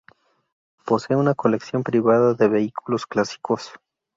Posee una colección privada de vehículos clásicos.